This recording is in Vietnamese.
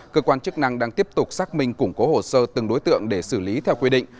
cơ quan chức năng đang tiếp tục xác minh củng cố hồ sơ từng đối tượng để xử lý theo quy định